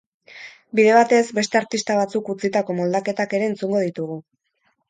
Bide batez, beste artista batzuk utzitako moldaketak ere entzungo ditugu.